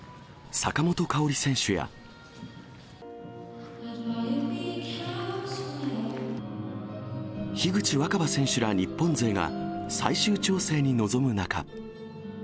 坂本花織選手や、樋口新葉選手ら日本勢が、最終調整に臨む中。